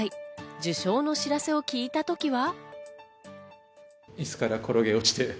受賞の知らせを聞いたときは。